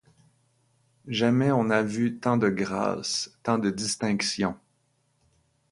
Jamais on n'a vu tant de grâces, tant de distinction.